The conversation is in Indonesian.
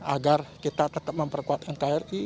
agar kita tetap memperkuat nkri